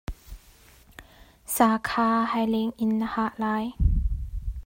Sa kha haileng in na hah lai.